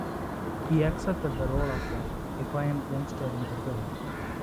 He accepted the role of a defiant youngster in the film.